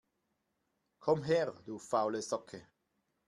Komm her, du faule Socke!